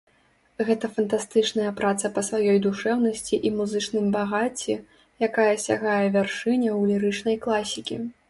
Гэта фантастычная праца па сваёй душэўнасці і музычным багацці, якая сягае вяршыняў лірычнай класікі.